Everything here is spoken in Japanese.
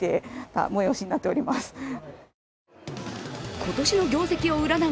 今年の業績を占う